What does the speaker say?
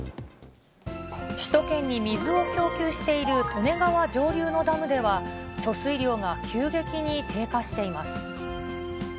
首都圏に水を供給している利根川上流のダムでは、貯水量が急激に低下しています。